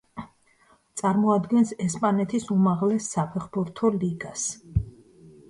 წარმოადგენს ესპანეთის უმაღლეს საფეხბურთო ლიგას.